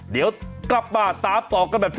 เดี๋ยวกลับมาตามต่อกันแบบ